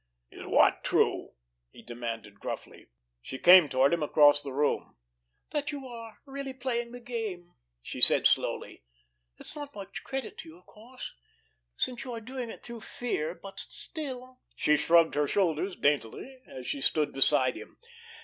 "Is what true?" he demanded gruffly. She came toward him across the room. "That you are really playing the game," she said slowly. "It's not much credit to you, of course, since you are doing it through fear, but still——" She shrugged her shoulders daintily, as she stood beside him.